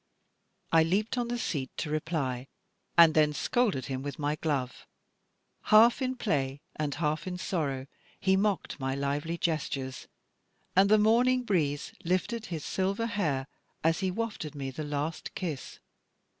I leaped on the seat to reply, and then scolded him with my glove. Half in play and half in sorrow, he mocked my lively gestures, and the morning breeze lifted his silver hair, as he wafted me the last kiss.